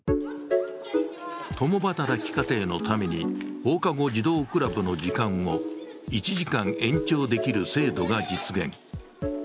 共働き家庭のために放課後児童クラブの時間を１時間延長できる制度が実現。